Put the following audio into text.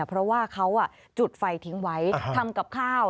เพราะว่าเขาจุดไฟทิ้งไว้ทำกับข้าว